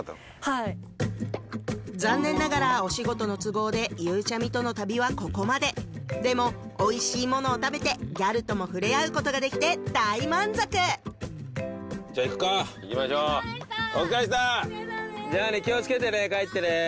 はい残念ながらお仕事の都合でゆうちゃみとの旅はここまででもおいしいものを食べてギャルともふれあうことができて大満足じゃあ行くかお疲れさまでしたお疲れさまでしたじゃあ気をつけてね帰ってね